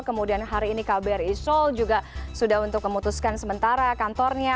kemudian hari ini kbri seoul juga sudah untuk memutuskan sementara kantornya